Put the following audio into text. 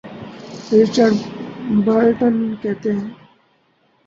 Richard Burton کہتے ہیں۔